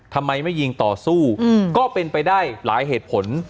ทำไมไม่ยิงต่อสู้ก็เป็นไปได้หลายเหตุผล